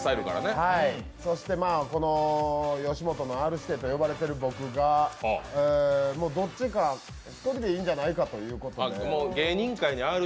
そして吉本のＲ−指定と呼ばれている僕が、もうどっちか１人でいいんじゃないかということで。